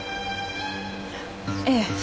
ええ。